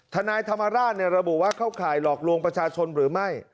ทนายธรรมราชระบุว่าเข้าข่ายหลอกลวงประชาชนหรือไม่